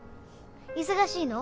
忙しいの？